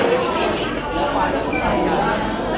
ที่เจนนี่ของกล้องนี้นะคะ